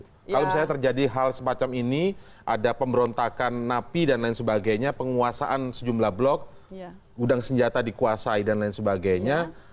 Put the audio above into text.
kalau misalnya terjadi hal semacam ini ada pemberontakan napi dan lain sebagainya penguasaan sejumlah blok gudang senjata dikuasai dan lain sebagainya